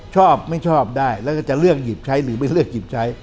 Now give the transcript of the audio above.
ชอบไม่ชอบได้แล้วก็จะเลือกหยิบใช้หรือไม่เลือกหยิบใช้